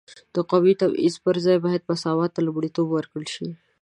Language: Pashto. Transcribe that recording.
د قومي تبعیض پر ځای باید مساوات ته لومړیتوب ورکړل شي.